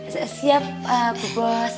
siap bu bos